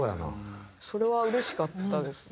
それはうれしかったですね。